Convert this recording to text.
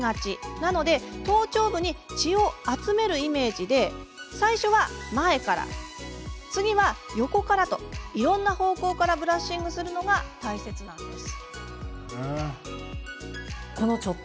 なので、頭頂部に血を集めるイメージで最初は前から次は横からといろんな方向からブラッシングするのが大切なんです。